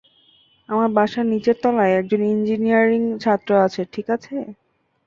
আমার বাসার নিচের তলায় একজন ইঞ্জিনিয়ারিং ছাত্র আছে - ঠিক আছে।